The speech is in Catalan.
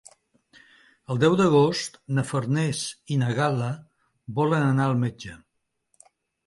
El deu d'agost na Farners i na Gal·la volen anar al metge.